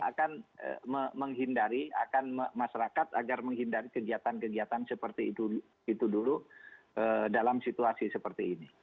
akan menghindari akan masyarakat agar menghindari kegiatan kegiatan seperti itu dulu dalam situasi seperti ini